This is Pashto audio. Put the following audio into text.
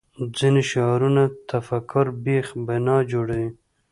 ځینې شعارونه تفکر بېخ بنا جوړوي